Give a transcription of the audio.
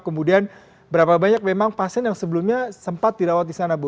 kemudian berapa banyak memang pasien yang sebelumnya sempat dirawat di sana bu